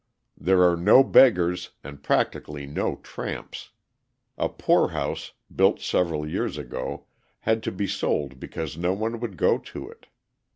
There are no beggars and practically no tramps. A poorhouse, built several years ago, had to be sold because no one would go to it.